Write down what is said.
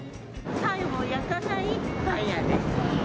パンを焼かないパン屋です。